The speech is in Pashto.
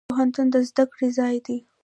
پوهنتون د زده کړي ځای دی.